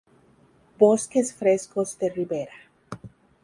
Bosques frescos de ribera.